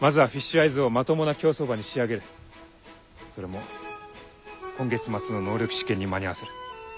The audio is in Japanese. それも今月末の能力試験に間に合わせる。